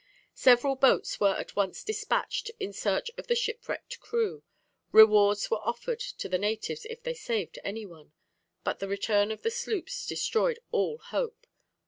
"Several boats were at once despatched in search of the shipwrecked crew. Rewards were offered to the natives if they saved any one; but the return of the sloops destroyed all hope.